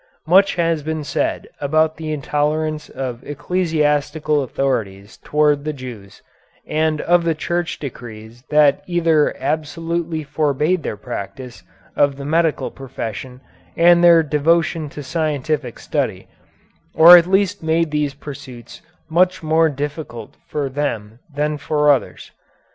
Much has been said about the intolerance of ecclesiastical authorities toward the Jews, and of Church decrees that either absolutely forbade their practice of the medical profession and their devotion to scientific study, or at least made these pursuits much more difficult for them than for others.